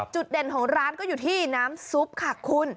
จุดเด่นของร้านก็อยู่ที่น้ำซุปค่ะคุณ